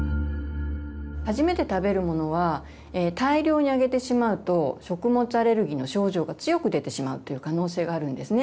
初めて食べるものは大量にあげてしまうと食物アレルギーの症状が強く出てしまうという可能性があるんですね。